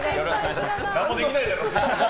何もできないだろ！